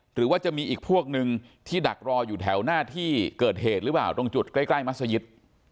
หรือว่าจะมีอีกพวกนึงที่ดักรออยู่แถวหน้าที่เกิดเหตุหรือเปล่าตรงจุดใกล้มัศยิต